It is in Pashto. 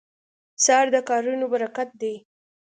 سهار د کارونو برکت دی.